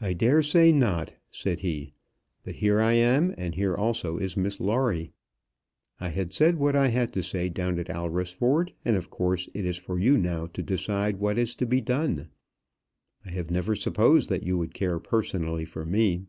"I daresay not," said he; "but here I am and here also is Miss Lawrie. I had said what I had to say down at Alresford, and of course it is for you now to decide what is to be done. I have never supposed that you would care personally for me."